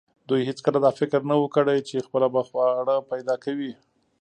دوی هیڅکله دا فکر نه و کړی چې خپله به خواړه پیدا کوي.